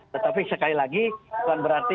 tetapi sekali lagi bukan berarti